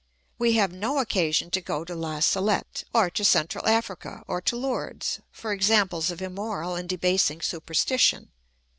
We have no occasion to go to La Salette, or to Central Africa, or to Lourdes, for examples of immoral and de basing superstition.